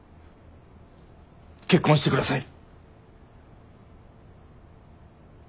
結婚してください。